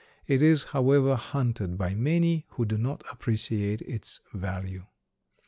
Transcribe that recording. It is, however, hunted by many who do not appreciate its value.